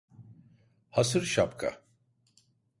Hasır Şapka!